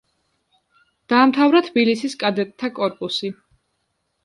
დაამთავრა თბილისის კადეტთა კორპუსი.